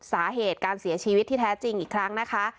สาเหตุการเสียชีวิตที่แท้จริงอีกครั้งนะคะ